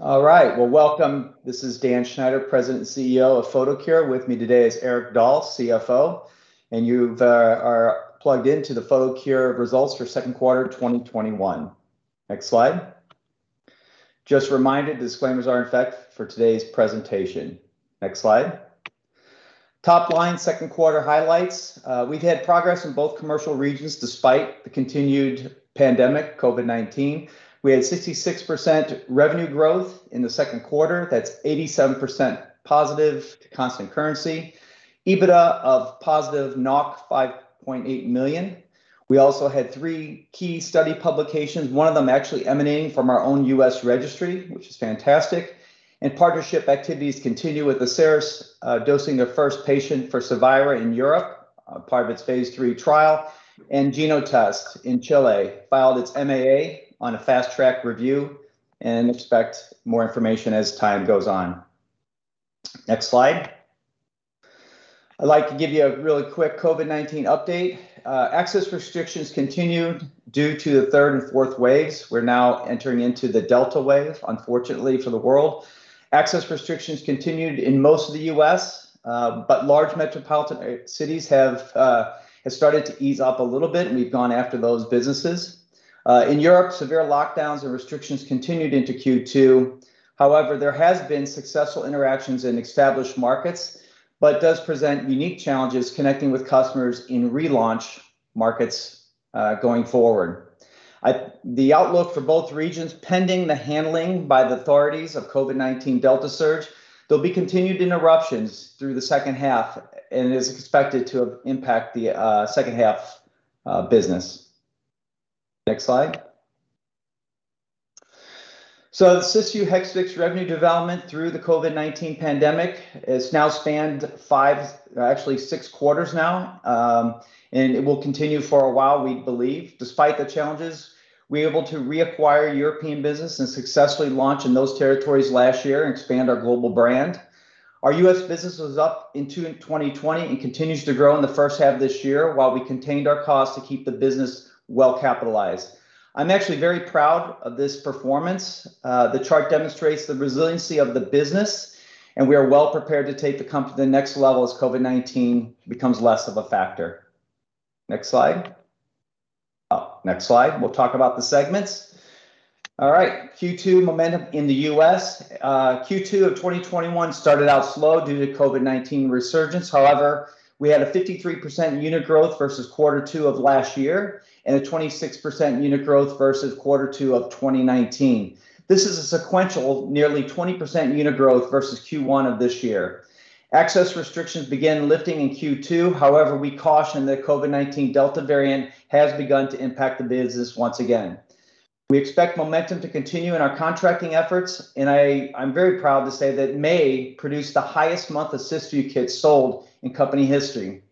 All right. Well, welcome. This is Dan Schneider, president and CEO of Photocure. With me today is Erik Dahl, CFO, and you are plugged into the Photocure results for Q2 2021. Next slide. Just a reminder, disclaimers are in effect for today's presentation. Next slide. Top line, Q2 highlights. We've had progress in both commercial regions despite the continued pandemic, COVID-19. We had 66% revenue growth in the Q2. That's 87% positive to constant currency. EBITDA of positive 5.8 million. We also had three key study publications, one of them actually emanating from our own U.S. registry, which is fantastic. Partnership activities continue with Asieris dosing their first patient for Cevira in Europe, part of its phase III trial, and Genotests in Chile filed its MAA on a fast track review and expect more information as time goes on. Next slide. I'd like to give you a really quick COVID-19 update. Access restrictions continued due to the third and fourth waves. We're now entering into the Delta wave, unfortunately for the world. Access restrictions continued in most of the U.S., but large metropolitan cities have started to ease up a little bit, and we've gone after those businesses. In Europe, severe lockdowns and restrictions continued into Q2. However, there has been successful interactions in established markets, but it does present unique challenges connecting with customers in relaunch markets going forward. The outlook for both regions, pending the handling by the authorities of COVID-19 Delta surge, there'll be continued interruptions through the H2, and it is expected to impact the H2 business. Next slide. The Cysview Hexvix revenue development through the COVID-19 pandemic has now spanned five, actually six quarters now, and it will continue for a while, we believe. Despite the challenges, we were able to reacquire European business and successfully launch in those territories last year and expand our global brand. Our U.S. business was up in 2020 and continues to grow in the H1 of this year while we contained our costs to keep the business well capitalized. I'm actually very proud of this performance. The chart demonstrates the resiliency of the business, and we are well prepared to take the company to the next level as COVID-19 becomes less of a factor. Next slide. Next slide. We'll talk about the segments. All right. Q2 momentum in the U.S. Q2 of 2021 started out slow due to COVID-19 resurgence. We had a 53% unit growth versus Q2 of last year and a 26% unit growth versus Q2 of 2019. This is a sequential nearly 20% unit growth versus Q1 of this year. Access restrictions began lifting in Q2. We caution the COVID-19 Delta variant has begun to impact the business once again. We expect momentum to continue in our contracting efforts, and I'm very proud to say that May produced the highest month of Cysview kits sold in company history.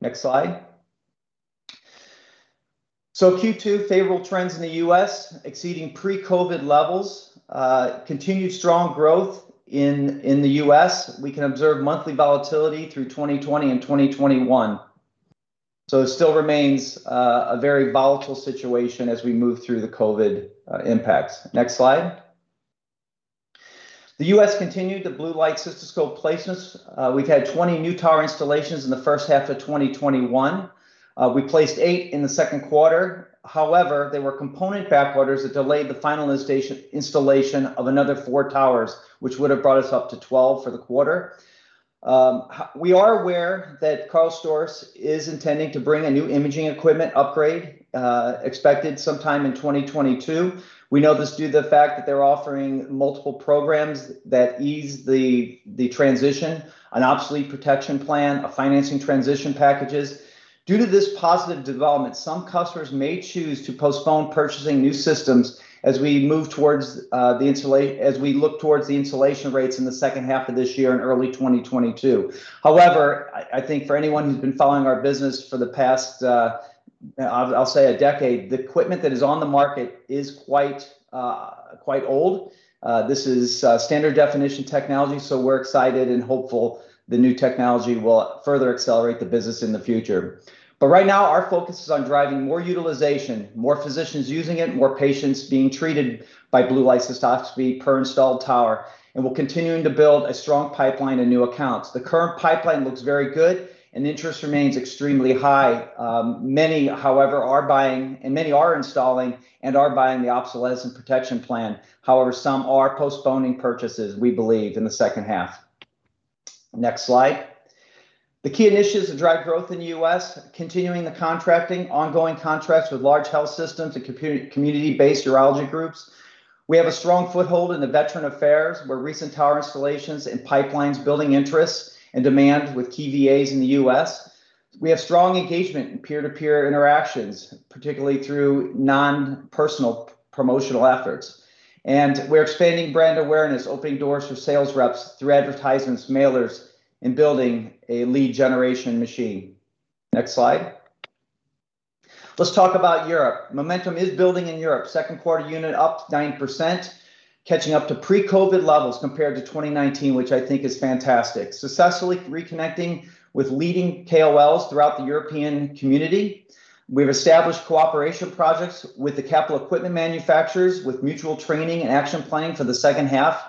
Next slide. Q2 favorable trends in the U.S. exceeding pre-COVID levels. Continued strong growth in the U.S. We can observe monthly volatility through 2020 and 2021. It still remains a very volatile situation as we move through the COVID impacts. Next slide. The U.S. continued the blue light cystoscope placements. We've had 20 new tower installations in the H1 of 2021. We placed eight in the Q2. There were component back orders that delayed the final installation of another four towers, which would have brought us up to 12 for the quarter. We are aware that Karl Storz is intending to bring a new imaging equipment upgrade, expected sometime in 2022. We know this due to the fact that they're offering multiple programs that ease the transition, an obsolete protection plan, financing transition packages. Due to this positive development, some customers may choose to postpone purchasing new systems as we look towards the installation rates in the H2 of this year and early 2022. I think for anyone who's been following our business for the past, I'll say a decade, the equipment that is on the market is quite old. This is standard definition technology. We're excited and hopeful the new technology will further accelerate the business in the future. Right now, our focus is on driving more utilization, more physicians using it, more patients being treated by blue light cystoscopy per installed tower, and we're continuing to build a strong pipeline of new accounts. The current pipeline looks very good, and interest remains extremely high. Many, however, are buying and many are installing and are buying the obsolescence protection plan. However, some are postponing purchases, we believe, in the H2. Next slide. The key initiatives that drive growth in the U.S., continuing the contracting, ongoing contracts with large health systems and community-based urology groups. We have a strong foothold in the Veterans Affairs, where recent tower installations and pipelines building interest and demand with key VAs in the U.S. We have strong engagement in peer-to-peer interactions, particularly through non-personal promotional efforts. We're expanding brand awareness, opening doors for sales reps through advertisements, mailers, and building a lead generation machine. Next slide. Let's talk about Europe. Momentum is building in Europe. Q2 unit up 90%. Catching up to pre-COVID-19 levels compared to 2019, which I think is fantastic. Successfully reconnecting with leading KOLs throughout the European community. We've established cooperation projects with the capital equipment manufacturers with mutual training and action planning for the H2,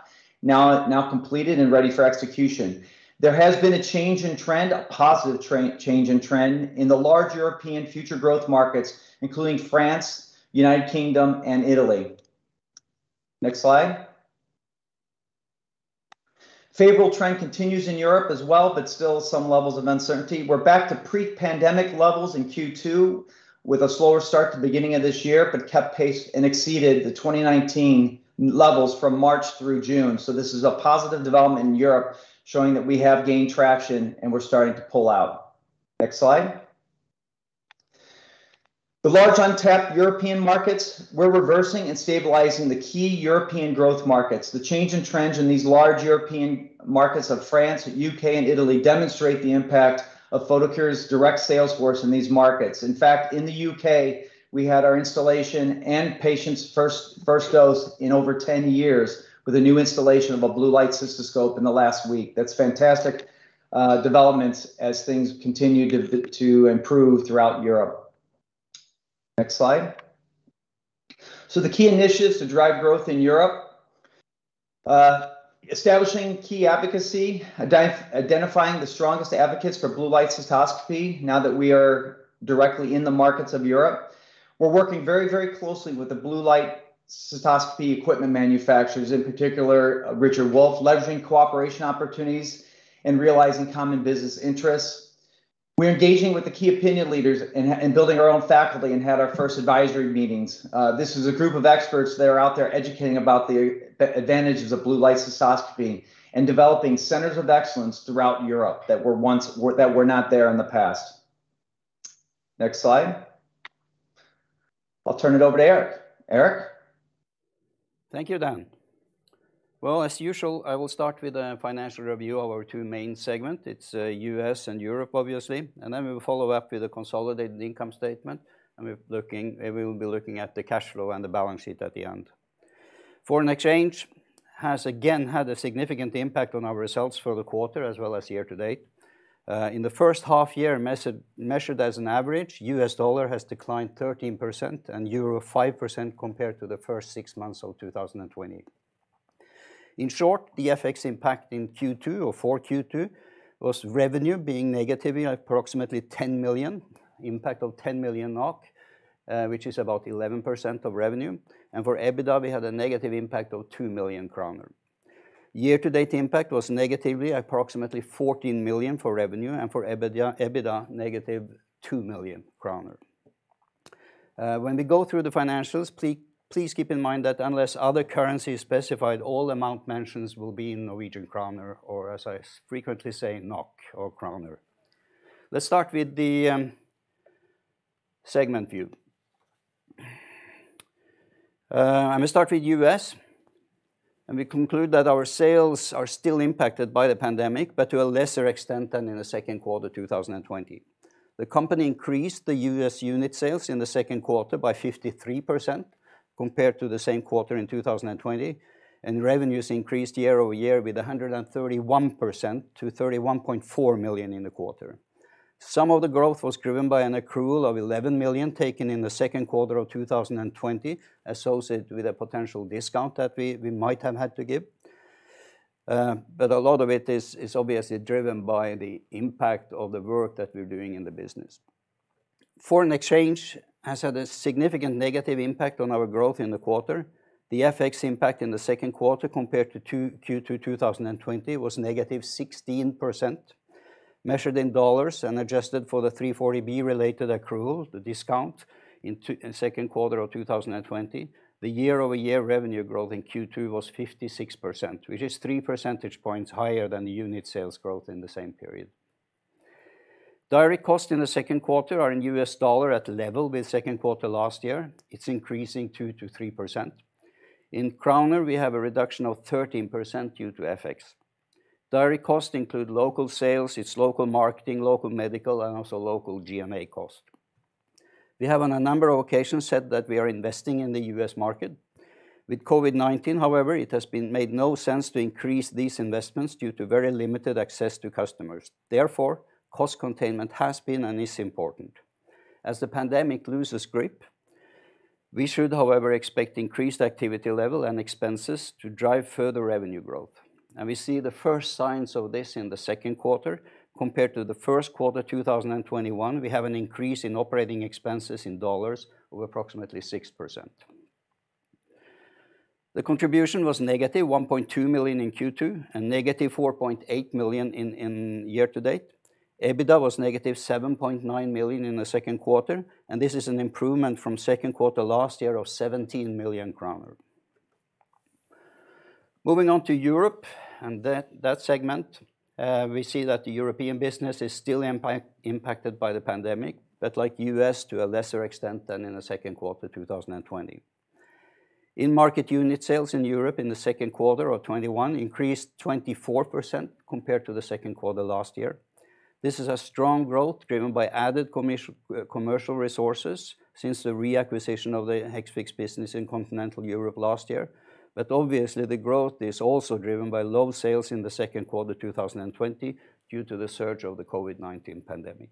now completed and ready for execution. There has been a change in trend, a positive change in trend, in the large European future growth markets, including France, United Kingdom, and Italy. Next slide. Favorable trend continues in Europe as well, still some levels of uncertainty. We're back to pre-pandemic levels in Q2 with a slower start to the beginning of this year, but kept pace and exceeded the 2019 levels from March through June. This is a positive development in Europe, showing that we have gained traction and we're starting to pull out. Next slide. The large untapped European markets, we're reversing and stabilizing the key European growth markets. The change in trends in these large European markets of France, U.K., and Italy demonstrate the impact of Photocure's direct sales force in these markets. In fact, in the U.K., we had our installation and patients' first dose in over 10 years with a new installation of a blue light cystoscope in the last week. That's fantastic developments as things continue to improve throughout Europe. Next slide. The key initiatives to drive growth in Europe. Establishing key advocacy, identifying the strongest advocates for blue light cystoscopy now that we are directly in the markets of Europe. We're working very closely with the blue light cystoscopy equipment manufacturers, in particular Richard Wolf, leveraging cooperation opportunities and realizing common business interests. We're engaging with the key opinion leaders and building our own faculty and had our first advisory meetings. This is a group of experts that are out there educating about the advantages of blue light cystoscopy and developing centers of excellence throughout Europe that were not there in the past. Next slide. I'll turn it over to Erik. Erik? Thank you, Dan. Well, as usual, I will start with a financial review of our two main segment. It's U.S. and Europe, obviously, we will follow up with a consolidated income statement, we will be looking at the cash flow and the balance sheet at the end. Foreign exchange has again had a significant impact on our results for the quarter as well as year to date. In the H1 year, measured as an average, U.S. dollar has declined 13% and EUR 5% compared to the first six months of 2020. In short, the FX impact in Q2 or for Q2 was revenue being negatively approximately 10 million, impact of 10 million NOK, which is about 11% of revenue. For EBITDA, we had a negative impact of 2 million kroner. Year to date impact was negatively approximately 14 million for revenue, and for EBITDA, -2 million kroner. When we go through the financials, please keep in mind that unless other currency is specified, all amount mentions will be in Norwegian kroner, or as I frequently say, NOK or kroner. Let's start with the segment view. I'm going to start with U.S., we conclude that our sales are still impacted by the pandemic, but to a lesser extent than in the Q2 2020. The company increased the U.S. unit sales in the Q2 by 53% compared to the same quarter in 2020, revenues increased year-over-year with 131% to 31.4 million in the quarter. Some of the growth was driven by an accrual of 11 million taken in the Q2 of 2020, associated with a potential discount that we might have had to give. A lot of it is obviously driven by the impact of the work that we're doing in the business. Foreign exchange has had a significant negative impact on our growth in the quarter. The FX impact in the Q2 compared to Q2 2020 was -16%, measured in dollars and adjusted for the 340B related accruals, the discount in Q2 of 2020. The year-over-year revenue growth in Q2 was 56%, which is three percentage points higher than the unit sales growth in the same period. Direct costs in the Q2 are in $ at level with Q2 last year. It's increasing 2%-3%. In NOK, we have a reduction of 13% due to FX. Direct costs include local sales, it's local marketing, local medical, and also local G&A cost. We have on a number of occasions said that we are investing in the U.S. market. With COVID-19, however, it has made no sense to increase these investments due to very limited access to customers. Therefore, cost containment has been and is important. As the pandemic loses grip, we should, however, expect increased activity level and expenses to drive further revenue growth. We see the first signs of this in the Q2. Compared to the Q1 2021, we have an increase in operating expenses in dollars of approximately 6%. The contribution was -1.2 million in Q2 and -4.8 million in year to date. EBITDA was -7.9 million in the Q2, and this is an improvement from Q2 last year of 17 million kroner. Moving on to Europe and that segment, we see that the European business is still impacted by the pandemic, but like U.S., to a lesser extent than in the Q2 2020. In-market unit sales in Europe in the Q2 of 2021 increased 24% compared to the Q2 last year. Obviously the growth is also driven by low sales in the Q2 2020 due to the surge of the COVID-19 pandemic.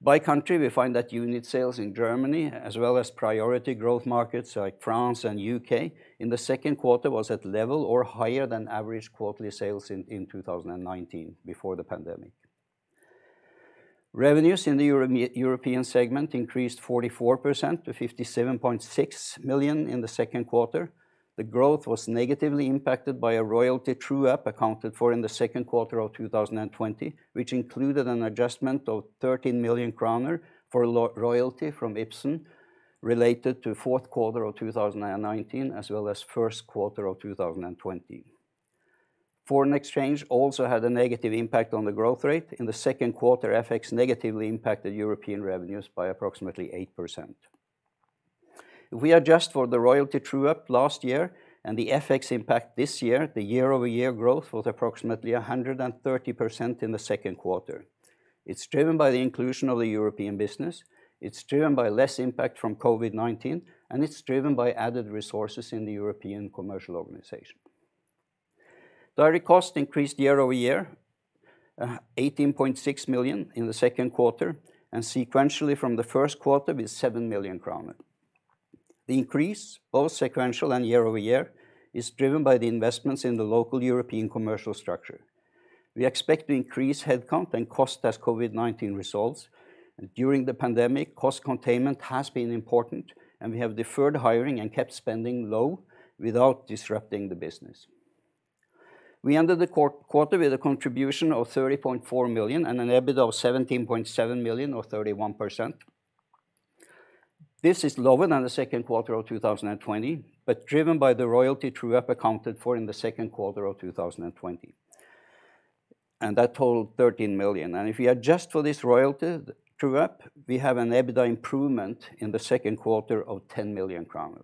By country, we find that unit sales in Germany, as well as priority growth markets like France and U.K., in the Q2 was at level or higher than average quarterly sales in 2019 before the pandemic. Revenues in the European segment increased 44% to 57.6 million in the Q2. The growth was negatively impacted by a royalty true-up accounted for in the Q2 of 2020, which included an adjustment of 13 million kroner for royalty from Ipsen related to Q4 of 2019 as well as Q1 of 2020. Foreign exchange also had a negative impact on the growth rate. In the Q2, FX negatively impacted European revenues by approximately 8%. We adjust for the royalty true-up last year and the FX impact this year, the year-over-year growth was approximately 130% in the Q2. It's driven by the inclusion of the European business. It's driven by less impact from COVID-19, and it's driven by added resources in the European commercial organization. Direct costs increased year-over-year 18.6 million in the Q2, and sequentially from the Q1 with 7 million kroner. The increase, both sequential and year-over-year, is driven by the investments in the local European commercial structure. We expect to increase headcount and cost as COVID-19 resolves. During the pandemic, cost containment has been important, and we have deferred hiring and kept spending low without disrupting the business. We ended the quarter with a contribution of 30.4 million and an EBITDA of 17.7 million, or 31%. This is lower than the Q2 of 2020, but driven by the royalty true-up accounted for in the Q2 of 2020. That totaled 13 million. If we adjust for this royalty true-up, we have an EBITDA improvement in the Q2 of 10 million kroner.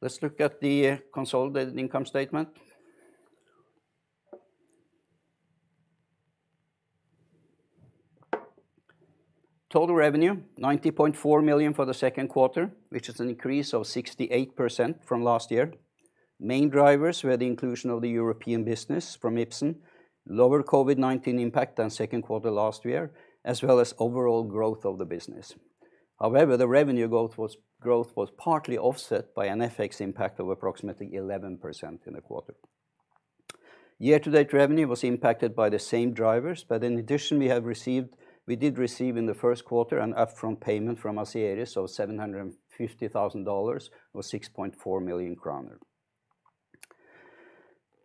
Let's look at the consolidated income statement. Total revenue, 90.4 million for the Q2, which is an increase of 68% from last year. Main drivers were the inclusion of the European business from Ipsen, lower COVID-19 impact than Q2 last year, as well as overall growth of the business. The revenue growth was partly offset by an FX impact of approximately 11% in the quarter. Year-to-date revenue was impacted by the same drivers. In addition, we did receive in the Q1 an upfront payment from Asieris of $750,000, or NOK 6.4 million.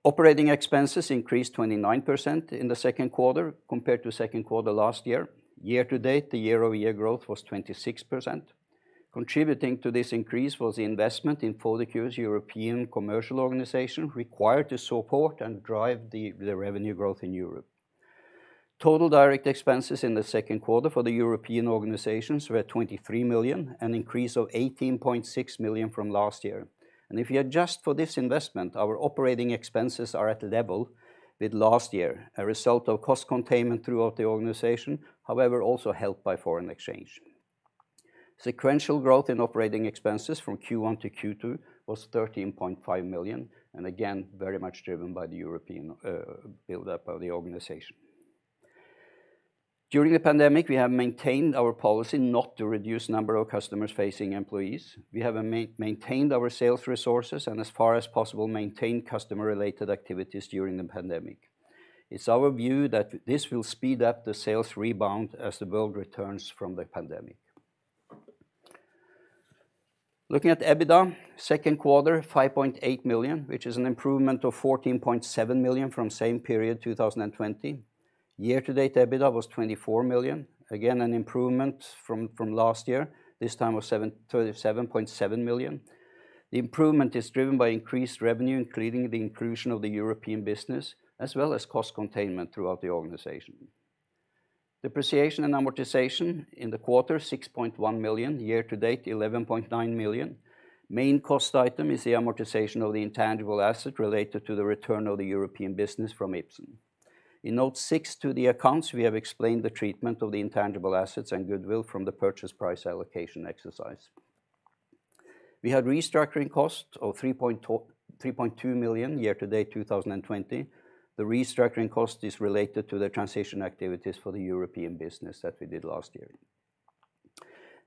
Operating expenses increased 29% in the Q2 compared to Q2 last year. Year-to-date, the year-over-year growth was 26%. Contributing to this increase was the investment in Photocure's European commercial organization required to support and drive the revenue growth in Europe. Total direct expenses in the Q2 for the European organizations were 23 million, an increase of 18.6 million from last year. If you adjust for this investment, our operating expenses are at level with last year, a result of cost containment throughout the organization, however, also helped by foreign exchange. Sequential growth in operating expenses from Q1 to Q2 was 13.5 million, and again, very much driven by the European build-up of the organization. During the pandemic, we have maintained our policy not to reduce number of customers-facing employees. We have maintained our sales resources and as far as possible, maintained customer-related activities during the pandemic. It's our view that this will speed up the sales rebound as the world returns from the pandemic. Looking at EBITDA, Q2, 5.8 million, which is an improvement of 14.7 million from same period 2020. Year-to-date EBITDA was 24 million, again, an improvement from last year, this time of 37.7 million. The improvement is driven by increased revenue, including the inclusion of the European business, as well as cost containment throughout the organization. Depreciation and amortization in the quarter, 6.1 million. Year to date, 11.9 million. Main cost item is the amortization of the intangible asset related to the return of the European business from Ipsen. In note six to the accounts, we have explained the treatment of the intangible assets and goodwill from the purchase price allocation exercise. We had restructuring costs of 3.2 million year to date 2020. The restructuring cost is related to the transition activities for the European business that we did last year.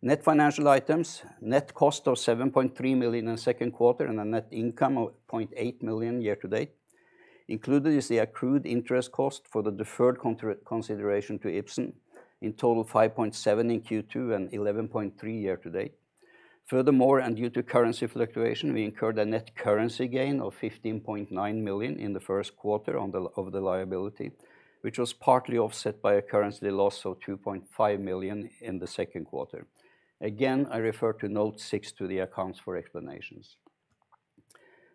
Net financial items, net cost of 7.3 million in Q2 and a net income of 0.8 million year to date. Included is the accrued interest cost for the deferred consideration to Ipsen, in total 5.7 in Q2 and 11.3 year to date. Furthermore, due to currency fluctuation, we incurred a net currency gain of 15.9 million in the Q1 of the liability, which was partly offset by a currency loss of 2.5 million in the Q2. Again, I refer to note six to the accounts for explanations.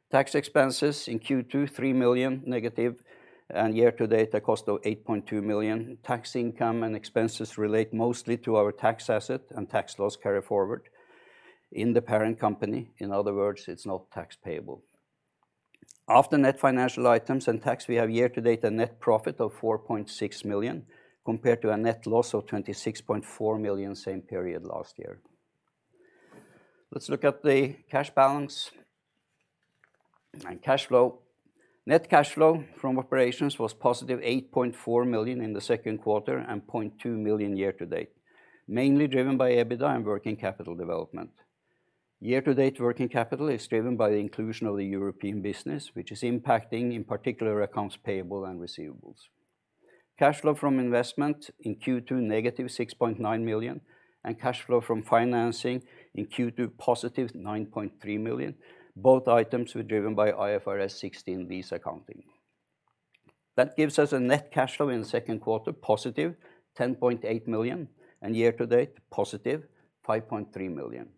Tax expenses in Q2, 3 million negative, and year-to-date, a cost of 8.2 million. Tax income and expenses relate mostly to our tax asset and tax loss carry-forward in the parent company. In other words, it's not tax payable. After net financial items and tax, we have year-to-date a net profit of 4.6 million, compared to a net loss of 26.4 million same period last year. Let's look at the cash balance and cash flow. Net cash flow from operations was positive 8.4 million in the Q2 and 0.2 million year-to-date, mainly driven by EBITDA and working capital development. Year-to-date working capital is driven by the inclusion of the European business, which is impacting, in particular, accounts payable and receivables. Cash flow from investment in Q2, negative 6.9 million, and cash flow from financing in Q2, positive 9.3 million. Both items were driven by IFRS 16 lease accounting. That gives us a net cash flow in the Q2, positive 10.8 million, and year-to-date, positive 5.3 million.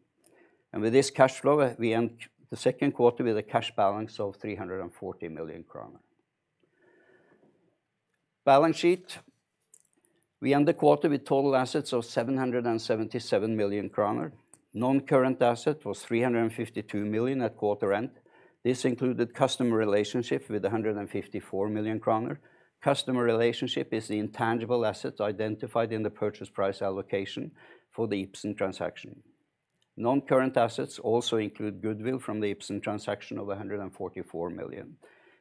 With this cash flow, we end the Q2 with a cash balance of 340 million kroner. Balance sheet, we end the quarter with total assets of 777 million kroner. Non-current asset was 352 million at quarter end. This included customer relationship with 154 million kroner. Customer relationship is the intangible asset identified in the purchase price allocation for the Ipsen transaction. Non-current assets also include goodwill from the Ipsen transaction of 144 million,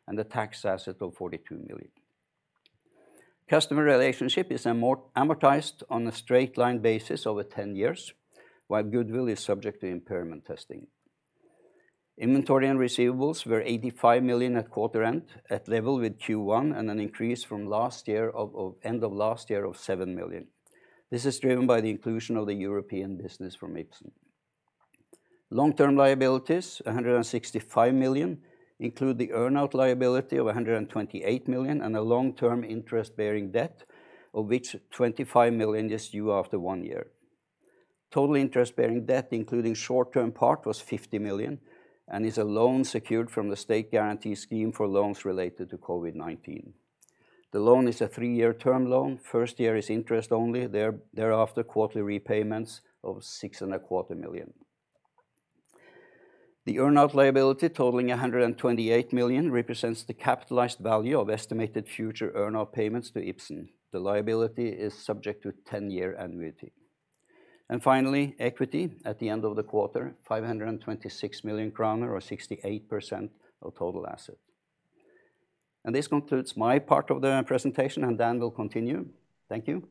and the tax asset of 42 million. Customer relationship is amortized on a straight-line basis over 10 years, while goodwill is subject to impairment testing. Inventory and receivables were 85 million at quarter end, at level with Q1, and an increase from end of last year of 7 million. This is driven by the inclusion of the European business from Ipsen. Long-term liabilities, 165 million, include the earn-out liability of 128 million, and a long-term interest-bearing debt, of which 25 million is due after one year. Total interest-bearing debt, including short-term part, was 50 million, and is a loan secured from the state guarantee scheme for loans related to COVID-19. The loan is a three-year term loan. First year is interest only. Thereafter, quarterly repayments of six and a quarter million. The earn-out liability totaling 128 million represents the capitalized value of estimated future earn-out payments to Ipsen. The liability is subject to 10-year annuity. Finally, equity at the end of the quarter, 526 million kroner, or 68% of total asset. This concludes my part of the presentation, Dan will continue. Thank you.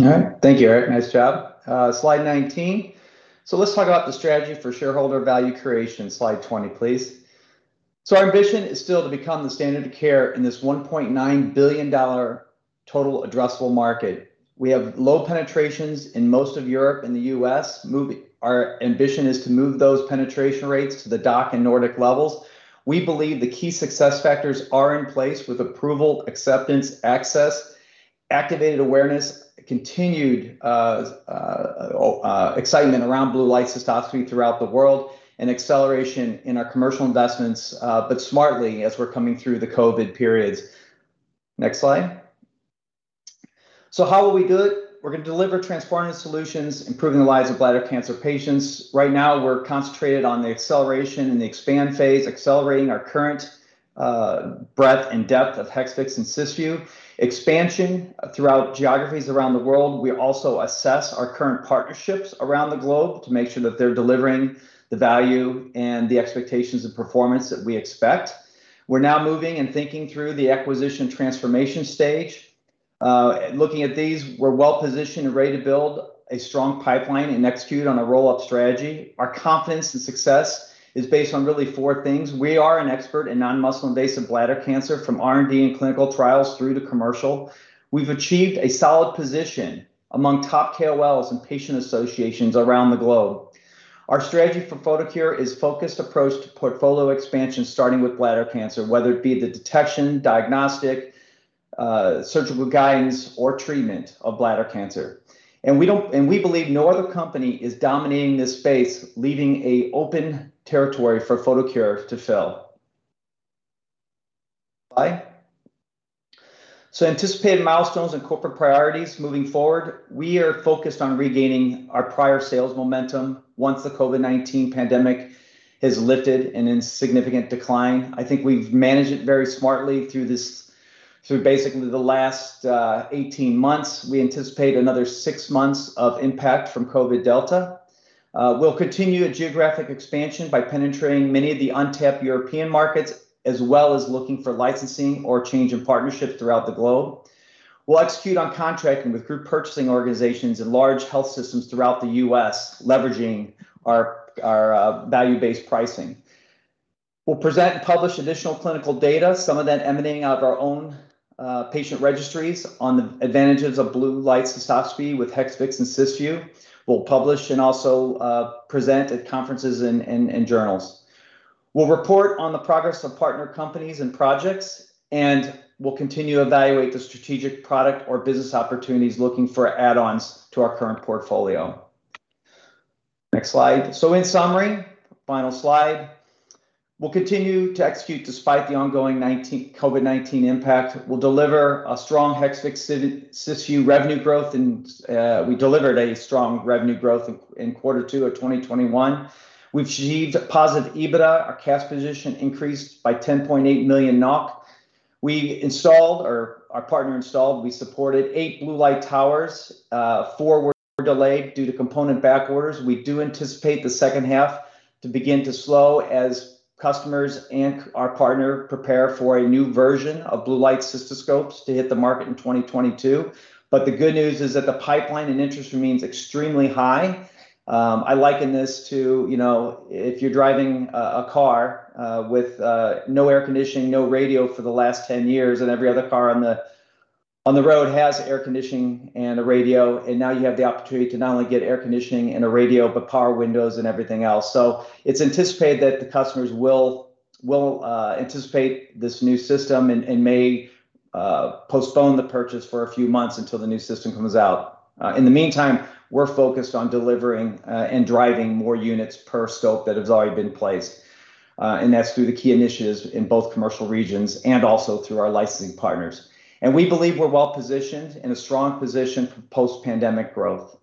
All right. Thank you, Erik. Nice job. Slide 19. Let's talk about the strategy for shareholder value creation. Slide 20, please. Our ambition is still to become the standard of care in this $1.9 billion total addressable market. We have low penetrations in most of Europe and the U.S. Our ambition is to move those penetration rates to the DACH and Nordic levels. We believe the key success factors are in place with approval, acceptance, access, activated awareness, continued excitement around blue light cystoscopy throughout the world, and acceleration in our commercial investments, but smartly as we're coming through the COVID periods. Next slide. How will we do it? We're going to deliver transformative solutions, improving the lives of bladder cancer patients. Right now, we're concentrated on the acceleration and the expand phase, accelerating our current breadth and depth of Hexvix and Cysview. Expansion throughout geographies around the world. We also assess our current partnerships around the globe to make sure that they're delivering the value and the expectations and performance that we expect. We're now moving and thinking through the acquisition transformation stage. Looking at these, we're well positioned and ready to build a strong pipeline and execute on a roll-up strategy. Our confidence and success is based on really four things. We are an expert in non-muscle invasive bladder cancer, from R&D and clinical trials through to commercial. We've achieved a solid position among top KOLs and patient associations around the globe. Our strategy for Photocure is focused approach to portfolio expansion, starting with bladder cancer, whether it be the detection, diagnostic, surgical guidance, or treatment of bladder cancer. We believe no other company is dominating this space, leaving a open territory for Photocure to fill. Slide. Anticipated milestones and corporate priorities moving forward. We are focused on regaining our prior sales momentum once the COVID-19 pandemic has lifted and in significant decline. I think we've managed it very smartly through basically the last 18 months. We anticipate another six months of impact from COVID Delta. We'll continue a geographic expansion by penetrating many of the untapped European markets, as well as looking for licensing or change in partnership throughout the globe. We'll execute on contracting with group purchasing organizations and large health systems throughout the U.S., leveraging our value-based pricing. We'll present and publish additional clinical data, some of that emanating out of our own patient registries on the advantages of blue light cystoscopy with Hexvix and Cysview. We'll publish and also present at conferences and journals. We'll report on the progress of partner companies and projects, and we'll continue to evaluate the strategic product or business opportunities looking for add-ons to our current portfolio. Next slide. In summary, final slide. We'll continue to execute despite the ongoing COVID-19 impact. We'll deliver a strong Hexvix Cysview revenue growth, and we delivered a strong revenue growth in Q2 2021. We've achieved positive EBITDA. Our cash position increased by 10.8 million NOK. We installed, or our partner installed, we supported eight blue light towers. Four were delayed due to component back orders. We do anticipate the H2 to begin to slow as customers and our partner prepare for a new version of blue light cystoscopes to hit the market in 2022. The good news is that the pipeline and interest remains extremely high. I liken this to if you're driving a car with no air conditioning, no radio for the last 10 years, and every other car on the road has air conditioning and a radio, and now you have the opportunity to not only get air conditioning and a radio, but power windows and everything else. It's anticipated that the customers will anticipate this new system and may postpone the purchase for a few months until the new system comes out. In the meantime, we're focused on delivering and driving more units per scope that has already been placed. That's through the key initiatives in both commercial regions and also through our licensing partners. We believe we're well positioned in a strong position for post-pandemic growth.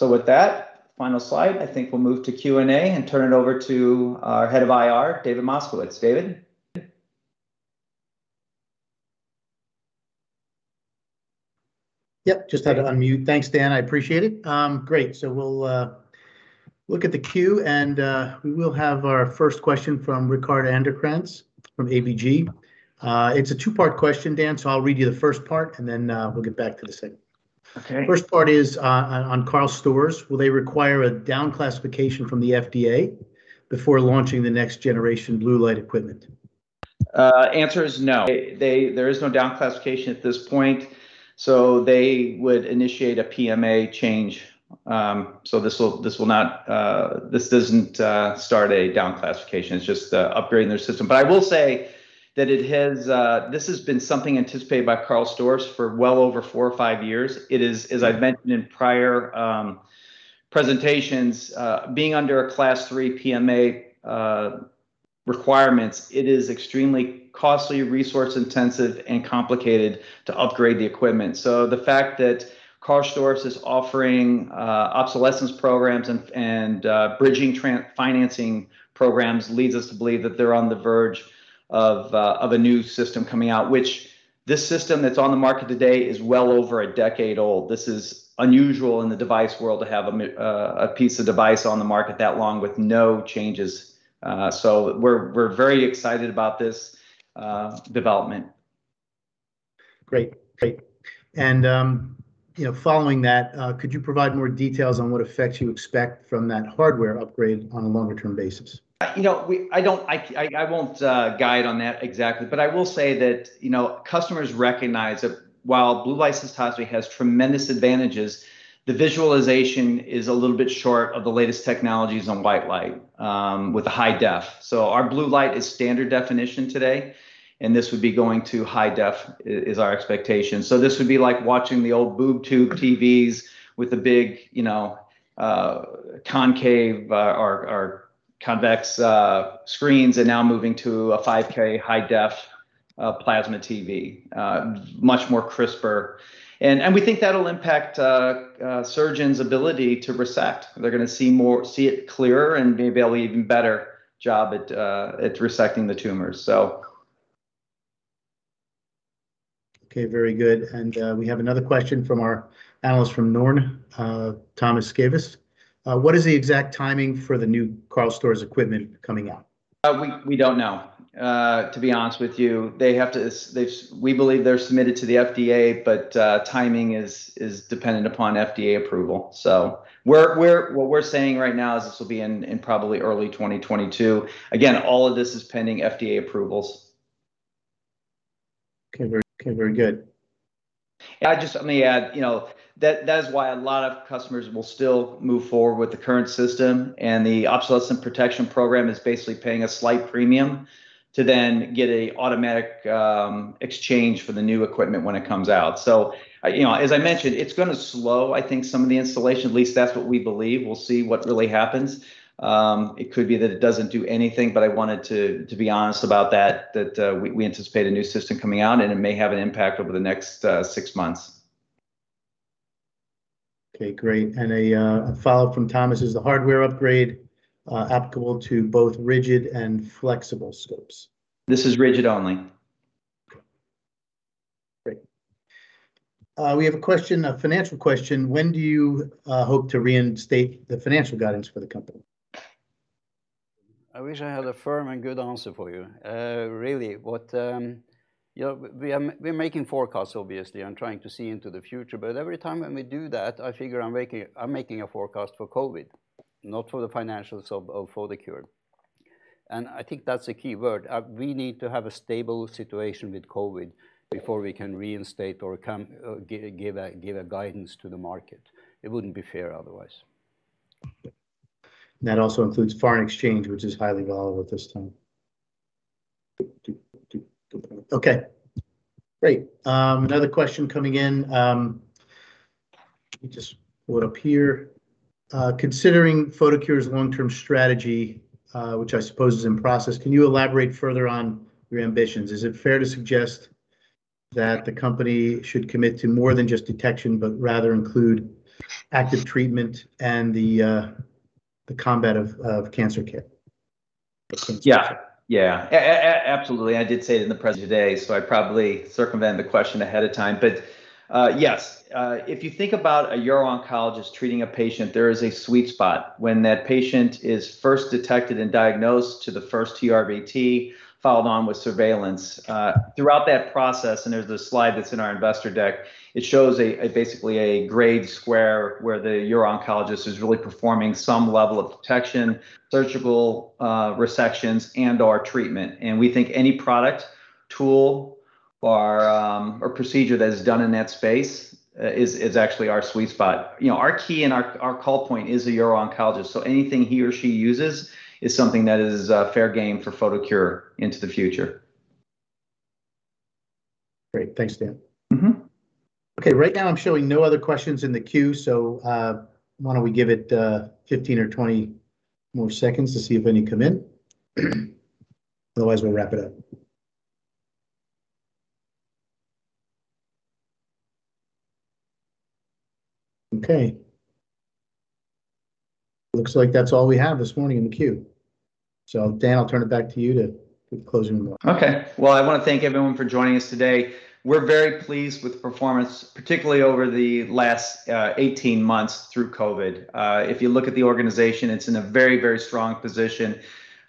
With that final slide, I think we'll move to Q&A and turn it over to our head of IR, David Moskowitz. David? Yep. Just had to unmute. Thanks, Dan. I appreciate it. Great. We'll look at the queue, and we will have our first question from Rickard Anderkrans from ABG. It's a two-part question, Dan, so I'll read you the first part and then we'll get back to the second. Okay. First part is on Karl Storz. Will they require a down-classification from the FDA before launching the next generation blue light equipment? Answer is no. There is no down-classification at this point, so they would initiate a PMA change. This doesn't start a down-classification. It's just upgrading their system. I will say that this has been something anticipated by Karl Storz for well over four or five years. It is, as I've mentioned in prior presentations, being under a Class III PMA requirements, it is extremely costly, resource intensive, and complicated to upgrade the equipment. The fact that Karl Storz is offering obsolescence programs and bridging financing programs leads us to believe that they're on the verge of a new system coming out, which this system that's on the market today is well over one decade old. This is unusual in the device world to have a piece of device on the market that long with no changes. We're very excited about this development. Great. Following that, could you provide more details on what effects you expect from that hardware upgrade on a longer term basis? I won't guide on that exactly. I will say that customers recognize that while blue light cystoscopy has tremendous advantages, the visualization is a little bit short of the latest technologies on white light with a high def. Our blue light is standard definition today, and this would be going to high def is our expectation. This would be like watching the old boob tube TVs with the big concave or convex screens, and now moving to a 5K high def plasma TV. Much more crisper. We think that'll impact a surgeon's ability to resect. They're going to see it clearer and be able to do an even better job at resecting the tumors. Okay. Very good. We have another question from our analyst from Norne, Thomas Skagevold. What is the exact timing for the new Karl Storz equipment coming out? We don't know, to be honest with you. We believe they're submitted to the FDA, but timing is dependent upon FDA approval. What we're saying right now is this will be in probably early 2022. All of this is pending FDA approvals. Okay. Very good. Let me add, that is why a lot of customers will still move forward with the current system, and the obsolescence protection program is basically paying a slight premium to then get an automatic exchange for the new equipment when it comes out. As I mentioned, it's going to slow, I think, some of the installation, at least that's what we believe. We'll see what really happens. It could be that it doesn't do anything, but I wanted to be honest about that we anticipate a new system coming out, and it may have an impact over the next 6 months. Okay, great. A follow-up from Thomas. Is the hardware upgrade applicable to both rigid and flexible scopes? This is rigid only. Great. We have a question, a financial question. When do you hope to reinstate the financial guidance for the company? I wish I had a firm and good answer for you. Really, we're making forecasts, obviously, and trying to see into the future. Every time when we do that, I figure I'm making a forecast for COVID, not for the financials of Photocure. I think that's a key word. We need to have a stable situation with COVID before we can reinstate or give a guidance to the market. It wouldn't be fair otherwise. That also includes foreign exchange, which is highly volatile at this time. Okay, great. Another question coming in. Let me just pull it up here. Considering Photocure's long-term strategy, which I suppose is in process, can you elaborate further on your ambitions? Is it fair to suggest that the company should commit to more than just detection, but rather include active treatment and the combat of cancer kit? Yeah. Absolutely. I did say it in the present day, so I probably circumvented the question ahead of time. Yes, if you think about a uro-oncologist treating a patient, there is a sweet spot when that patient is first detected and diagnosed to the first TURBT, followed on with surveillance. Throughout that process, there's a slide that's in our investor deck, it shows basically a gray square where the uro-oncologist is really performing some level of detection, surgical resections, and/or treatment. We think any product, tool, or procedure that is done in that space is actually our sweet spot. Our key and our call point is a uro-oncologist, anything he or she uses is something that is fair game for Photocure into the future. Great. Thanks, Dan. Right now I'm showing no other questions in the queue. Why don't we give it 15 or 20 more seconds to see if any come in? Otherwise, we'll wrap it up. Looks like that's all we have this morning in the queue. Dan, I'll turn it back to you to give closing remarks. Well, I want to thank everyone for joining us today. We're very pleased with the performance, particularly over the last 18 months through COVID-19. If you look at the organization, it's in a very strong position.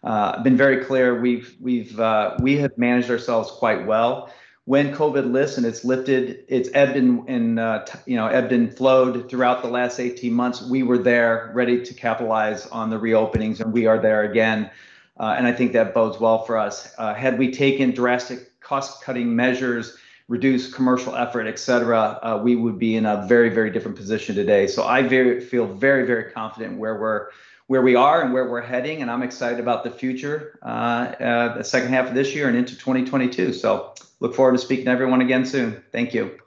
I've been very clear, we have managed ourselves quite well. When COVID-19 lifts, and it's lifted, it's ebbed and flowed throughout the last 18 months, we were there, ready to capitalize on the reopenings. We are there again. I think that bodes well for us. Had we taken drastic cost-cutting measures, reduced commercial effort, et cetera, we would be in a very different position today. I feel very confident in where we are and where we're heading, and I'm excited about the future, the H2 of this year and into 2022. Look forward to speaking to everyone again soon. Thank you.